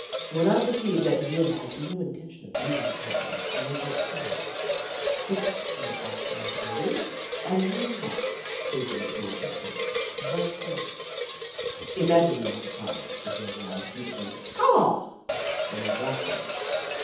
When I perceived that Jim had no inten tion of leaving the cabin, I went outside, shook him off my shoulder, and ran back, closing the door gently but firmly. Imagine my surprise to hear a loud, jubilant "Caw!" from the rafters.